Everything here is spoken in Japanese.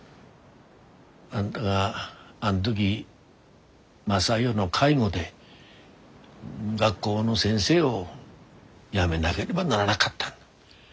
あんたがあん時雅代の介護で学校の先生を辞めなげればならながったの。